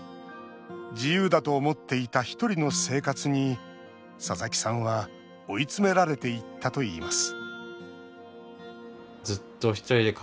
自由だと思っていたひとりの生活に佐々木さんは追い詰められていったといいます